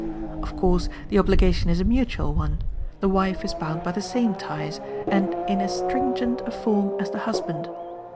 Of course, the obligation is a mutual one; the wife is bound by the same ties, and in as stringent a form as the husband.